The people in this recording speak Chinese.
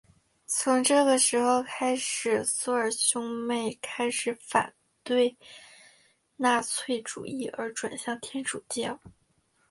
从这个时候开始朔尔兄妹开始反对纳粹主义而转向天主教。